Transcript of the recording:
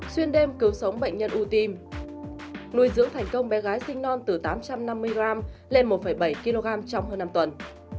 xuyên đêm cứu sống bệnh nhân u tim nuôi dưỡng thành công bé gái sinh non từ tám trăm năm mươi g lên một bảy kg trong hơn năm tuần